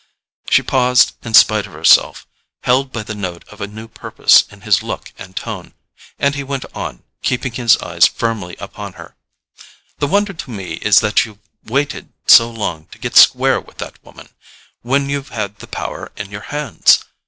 She paused in spite of herself, held by the note of a new purpose in his look and tone; and he went on, keeping his eyes firmly upon her: "The wonder to me is that you've waited so long to get square with that woman, when you've had the power in your hands."